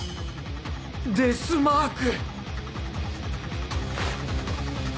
デス・マーク！